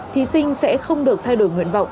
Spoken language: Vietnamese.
thí sinh sẽ không được thay đổi nguyện vọng